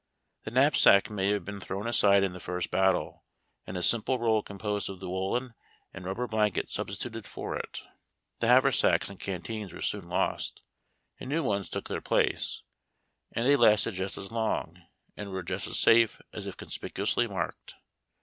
The knajosack may have been thrown aside in the first battle, and a simple roll composed of the woollen and rubber blanket substituted for it. The haversacks and canteens were soon lost, and new ones took their place ; and they lasted just as long and were just as safe as if consjiicuonsly marked.